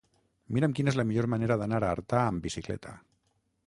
Mira'm quina és la millor manera d'anar a Artà amb bicicleta.